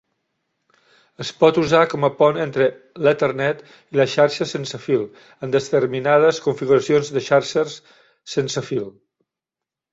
Es pot usar com a pont entre l'Ethernet i la xarxa sense fil en determinades configuracions de xarxes sense fil.